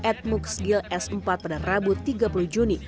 atmoogskill s empat pada rabu tiga puluh juni